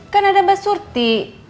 kan ada mba surti